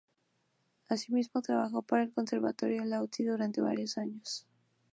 Asimismo trabajó para el Conservatorio de Lahti durante varios años.